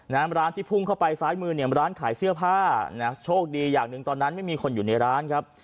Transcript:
น้ำร้านที่พุ่งเข้าไปซ้ายมือเนี่ยร้านขายเสื้อผ้านะโชคดีอย่างหนึ่งตอนนั้นไม่มีคนอยู่ในร้านครับ